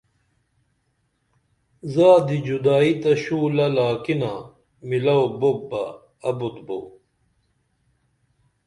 زادی جدائی تہ شُولہ لاکِنا مِلوبوپ بہ ابُت بو